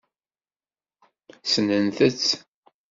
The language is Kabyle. Ssnent-tt.